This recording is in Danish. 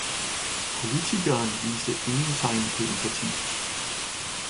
Politikeren viste ingen tegn på empati.